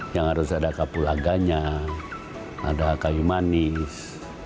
yang harus ada kapu laganya ada kayu manis